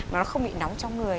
nó không bị nóng trong người